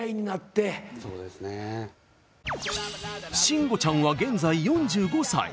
慎吾ちゃんは現在４５歳。